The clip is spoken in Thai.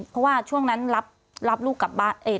เพราะว่าช่วงนั้นรับลูกกลับบ้าน